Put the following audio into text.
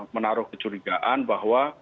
menaruh kecurigaan bahwa